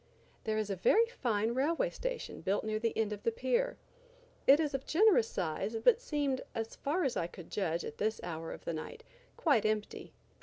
There is a very fine railway station built near the end of the pier. It is of generous size, but seemed, as far as I could judge, at this hour of the night, quite empty.